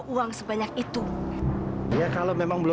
tunggu sebentar ya tante ambil dulu